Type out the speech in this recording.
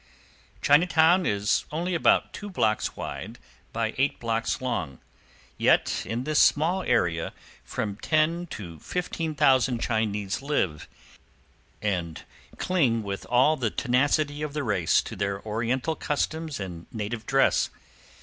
Chinatown is only about two blocks wide by eight blocks long; yet in this small area from ten to fifteen thousand Chinese live, and cling with all the tenacity of the race to their Oriental customs and native dress.